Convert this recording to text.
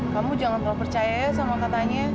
kamu jangan terlalu percaya ya sama katanya